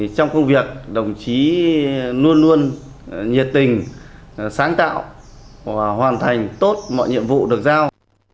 trong công việc đồng chí luôn luôn nhiệt tình sáng tạo và hoàn thành tốt mọi nhiệm vụ được giao